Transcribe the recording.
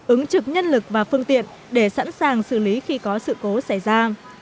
ứng trực nhân lực và phương tiện để sẵn sàng xử lý khi có sự cố xảy ra